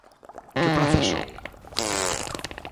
¿Que prazas son?